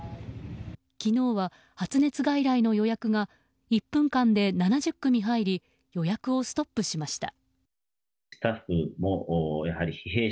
昨日は、発熱外来の予約が１分間で７０組入り予約をストップしました。